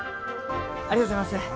ありがとうございます。